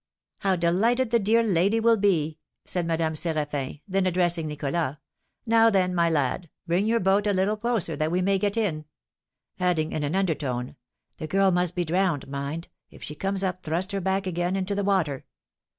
"How delighted the dear lady will be!" said Madame Séraphin. Then, addressing Nicholas, "Now, then, my lad, bring your boat a little closer that we may get in." Adding, in an undertone, "The girl must be drowned, mind; if she comes up thrust her back again into the water."